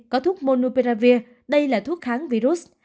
có thuốc monopiravir đây là thuốc kháng virus